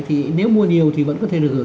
thì nếu mua nhiều thì vẫn có thể được hưởng